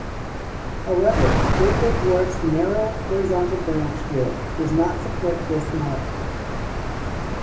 However, Draco Dwarf's narrow horizontal branch width does not support this model.